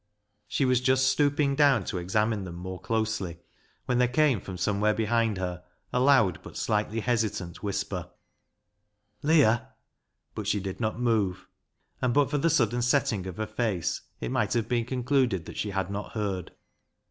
She was just stoop ing down to examine them more closely, when there came from somewhere behind her a loud, but slightly hesitant, whisper —" Leah !" But she did not move, and, but for the sudden setting of her face, it might have been concluded that she had not heard.